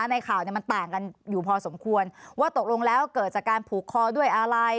ในข่าวเนี่ยมันต่างกันอยู่พอสมควรว่าตกลงแล้วเกิดจากการผูกคอด้วยอะไร